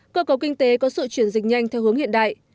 cơ cấu kinh tế có sự chuyển dịch nhanh theo hướng hiện đại